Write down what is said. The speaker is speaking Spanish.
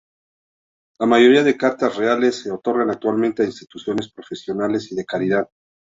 La mayoría de Cartas Reales se otorgan actualmente a instituciones profesionales y de caridad.